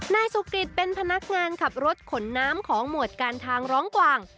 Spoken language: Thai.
นายสุกิตเป็นพนักงานขับรถขนน้ำของหมวดการทางร้องกว่าง